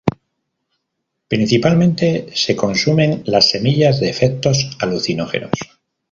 Principalmente se consumen las semillas, de efectos alucinógenos.